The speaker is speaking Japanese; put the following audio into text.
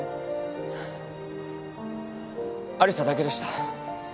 有沙だけでした。